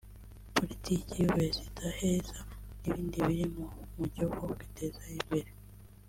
politiki y’uburezi idaheza n’ibindi biri mu mujyo wo kwiteza imbere